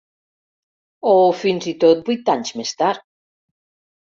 O fins i tot vuit anys més tard.